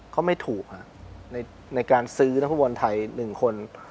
เขาไม่ถูกอ่ะในในการซื้อนักบอลไทยหนึ่งคน